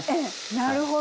なるほど。